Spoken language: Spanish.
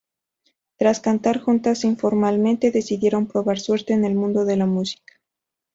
Tras cantar juntas informalmente, decidieron probar suerte en el mundo de la música.